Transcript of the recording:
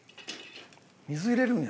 水入れるんや。